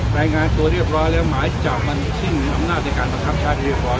แปลงงานตัวเรียบร้อยแล้วหมายจำมันสิ้นอำนาจในการประทับชาติธรรมชาติ